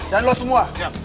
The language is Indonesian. dan lo semua